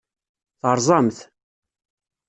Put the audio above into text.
Terẓam-t.